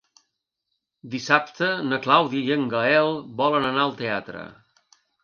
Dissabte na Clàudia i en Gaël volen anar al teatre.